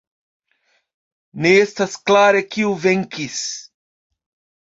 Ne estas klare kiu venkis.